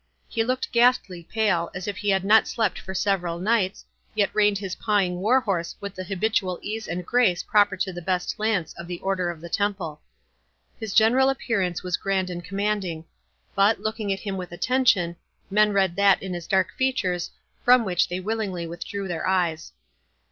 He looked ghastly pale, as if he had not slept for several nights, yet reined his pawing war horse with the habitual ease and grace proper to the best lance of the Order of the Temple. His general appearance was grand and commanding; but, looking at him with attention, men read that in his dark features, from which they willingly withdrew their eyes.